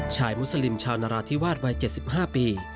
มุสลิมชาวนราธิวาสวัย๗๕ปี